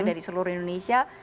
dari seluruh indonesia